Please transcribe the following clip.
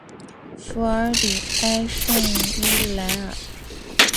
弗尔里埃圣伊莱尔。